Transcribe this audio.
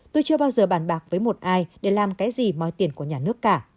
tôi chưa bao giờ bàn bạc với một ai để làm cái gì moi tiền của nhà nước cả